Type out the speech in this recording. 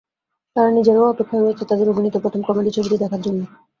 তাঁরা নিজেরাও অপেক্ষায় রয়েছেন তাঁদের অভিনীত প্রথম কমেডি ছবিটি দেখার জন্য।